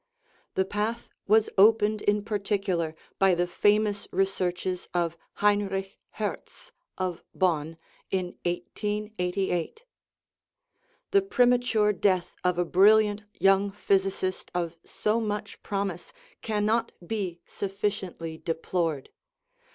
The path was opened in particular by the famous researches of Heinrich Hertz, of Bonn, in 1888. The premature death of a brilliant young physicist of so much promise cannot be sufficiently deplored.